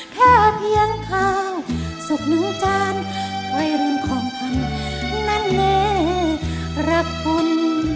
แค่เพียงข่าวสุขหนึ่งจานค่อยลืมของธรรมนั้นเน่รักษ์คุณ